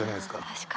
確かに。